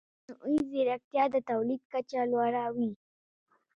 مصنوعي ځیرکتیا د تولید کچه لوړه وي.